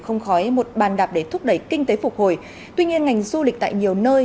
không khói một bàn đạp để thúc đẩy kinh tế phục hồi tuy nhiên ngành du lịch tại nhiều nơi